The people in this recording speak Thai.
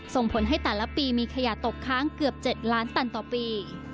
ส่งผลให้แต่ละปีมีขยะตกค้างเกือบ๗ล้านตันต่อปี